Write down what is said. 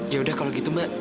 yaudah kalau gitu mbak